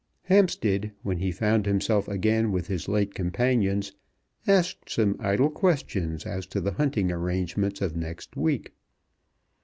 Hampstead, when he found himself again with his late companions, asked some idle questions as to the hunting arrangements of next week.